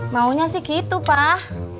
maunya sih gitu pak